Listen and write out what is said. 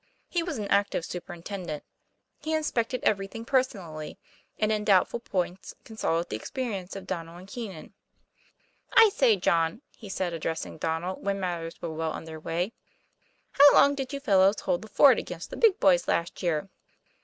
He was an active superintendent; he inspected everything personally; and in doubtful points consulted the experience of Donnel and Keenan. "I say, John," he said, addressing Donnel, when matters were well underway, " how long did you fel lows hold the fort against the big boys last year?"